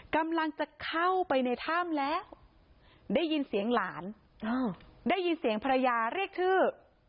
กำลังจะเข้าไปในถ้ำแล้วได้ยินเสียงหลานได้ยินเสียงภรรยาเรียกชื่อ